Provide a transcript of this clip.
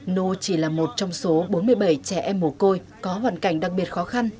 nô chỉ là một trong số bốn mươi bảy trẻ em mồ côi có hoàn cảnh đặc biệt khó khăn